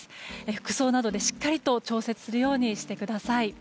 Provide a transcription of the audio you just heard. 服装などでしっかりと調節するようにしてください。